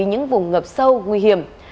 những vùng ngập sâu nguy hiểm